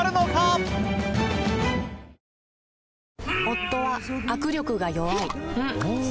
夫は握力が弱い